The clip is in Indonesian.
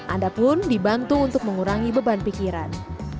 anda pun dibantu untuk mengurangi beban pikiran